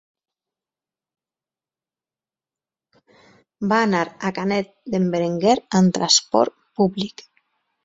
Va anar a Canet d'en Berenguer amb transport públic.